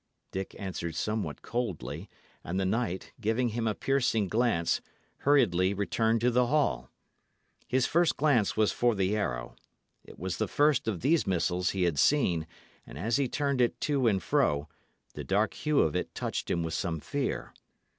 Dick answered somewhat coldly, and the knight, giving him a piercing glance, hurriedly returned to the hall. His first glance was for the arrow. It was the first of these missiles he had seen, and as he turned it to and fro, the dark hue of it touched him with some fear.